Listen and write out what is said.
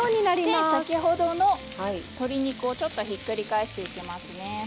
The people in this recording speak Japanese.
先ほどの鶏肉をちょっとひっくり返していきますね。